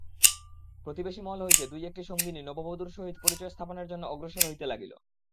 প্রতিবেশীমহল হইতে দুই-একটি সঙ্গিনী নববধূর সহিত পরিচয়স্থাপনের জন্য অগ্রসর হইতে লাগিল।